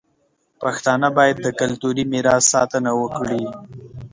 پښتانه باید د کلتوري میراث ساتنه وکړي.